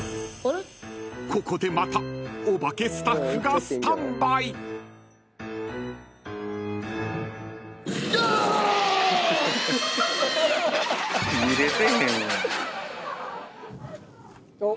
［ここでまたお化けスタッフがスタンバイ］見れてへんやん。